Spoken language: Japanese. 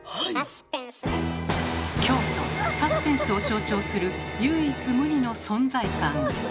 「京都」「サスペンス」を象徴する唯一無二の存在感。